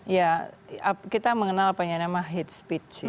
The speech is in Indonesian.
ya kita mengenal penyanyi nama hate speech